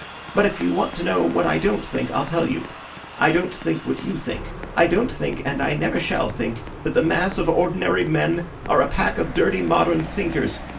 But if you want to know what I don't think, I'll tell you. I don't think what you think. I don't think, and I never shall think, that the mass of ordinary men are a pack of dirty modern thinkers.